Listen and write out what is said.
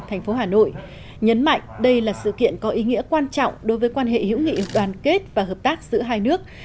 thành phố hà nội nhấn mạnh đây là sự kiện có ý nghĩa quan trọng đối với quan hệ hữu nghị đoàn kết và hợp tác giữa hai nước